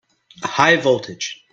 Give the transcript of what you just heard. High voltage!